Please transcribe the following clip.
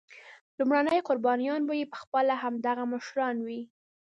لومړني قربانیان به یې پخپله همدغه مشران وي.